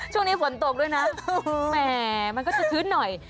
ช่วงนี้ฝนตกด้วยนะแหมมันก็จะชื้นหน่อย